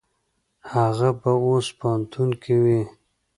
هغه به اوس پوهنتون کې وي.